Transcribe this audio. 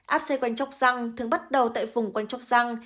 áp xe quanh chóc răng thường bắt đầu tại vùng quanh chóc răng